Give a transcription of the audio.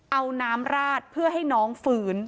เอาน้ำราดเพื่อให้น้องฝืน